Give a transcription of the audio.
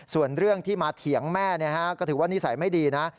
ส่วนเรื่องที่มาเถียงแม่ก็ถือว่านิสัยไม่ดีนะ